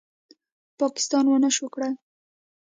پاکستان ونشو کړې